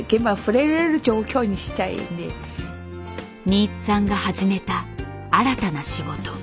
新津さんが始めた新たな仕事。